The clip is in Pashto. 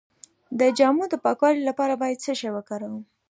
د جامو د پاکوالي لپاره باید څه شی وکاروم؟